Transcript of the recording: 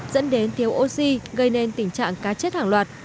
dẫn đến thiếu oxy gây nên tình trạng cá chết hàng loạt